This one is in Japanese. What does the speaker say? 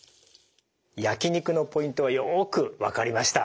焼き肉のポイントはよく分かりました。